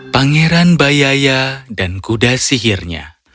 pangeran bayaya dan kuda sihirnya